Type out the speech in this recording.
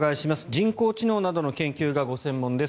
人工知能などの研究がご専門です